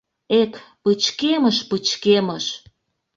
Эк, пычкемыш, пычкемыш!